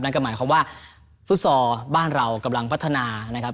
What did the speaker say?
นั่นก็หมายความว่าฟุตซอลบ้านเรากำลังพัฒนานะครับ